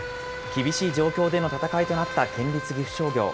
厳しい状況での戦いとなった県立岐阜商業。